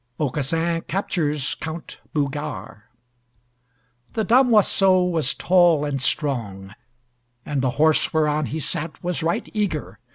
AUCASSIN CAPTURES COUNT BOUGART The damoiseau was tall and strong, and the horse whereon he sat was right eager.